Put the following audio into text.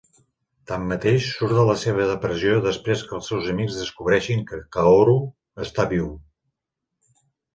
Tanmateix, surt de la seva depressió després que els seus amics descobreixin que Kaoru està viu.